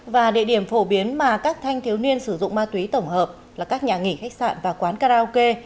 và địa điểm phổ biến mà các thanh thiếu niên sử dụng ma túy tổng hợp là các nhà nghỉ khách sạn và quán karaoke